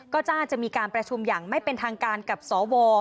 ก็จะมีการประชุมอย่างไม่เป็นทางการกับสว